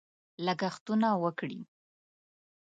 لګښتونه وکړي.